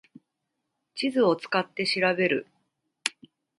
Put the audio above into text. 地図を使って調べる